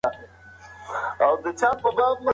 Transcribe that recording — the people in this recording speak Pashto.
مقاومت مې د بریالیتوب بنسټ دی.